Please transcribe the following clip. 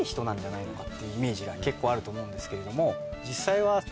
へぇ・ってイメージが結構あると思うんですけれども実際は。